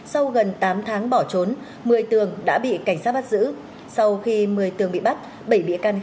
sau gần tám tháng bỏ trốn một mươi tường đã bị cảnh sát bắt giữ sau khi một mươi tường bị bắt bảy bịa can khác đã ra đầu thú